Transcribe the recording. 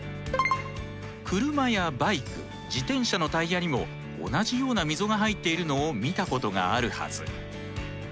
車やバイク自転車のタイヤにも同じような溝が入っているのを見たことがあるはず。